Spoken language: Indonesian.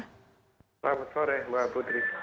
selamat sore mbak putri